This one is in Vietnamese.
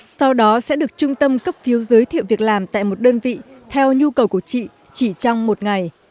sau đó sẽ được trung tâm cấp cứu giới thiệu việc làm tại một đơn vị theo nhu cầu của chị chỉ trong một ngày